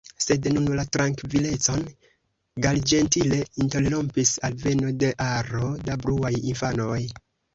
Sed nun la trankvilecon malĝentile interrompis alveno de aro da bruaj infanoj.